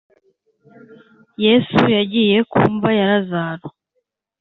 Yesu yagiye ku mva ya Lazaro